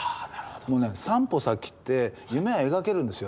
もうね３歩先って夢が描けるんですよ。